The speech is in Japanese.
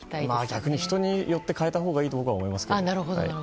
逆に人によって変えたほうが僕はいいと思います。